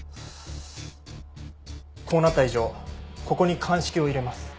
こうなった以上ここに鑑識を入れます。